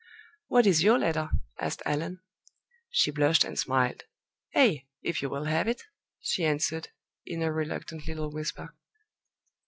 "What is your letter?" asked Allan. She blushed and smiled. "A if you will have it!" she answered, in a reluctant little whisper.